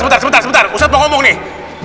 sebentar sebentar ustadz mau ngomong nih